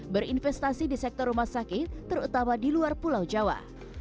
berinvestasi di sektor rumah sakit terutama di luar pulau jawa